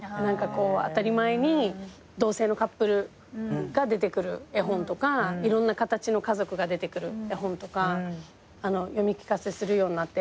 当たり前に同性のカップルが出てくる絵本とかいろんな形の家族が出てくる絵本とか読み聞かせするようになって。